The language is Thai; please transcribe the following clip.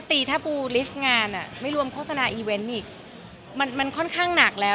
ตีถ้าปูลิสต์งานอ่ะไม่รวมโฆษณาอีเวนต์อีกมันมันค่อนข้างหนักแล้ว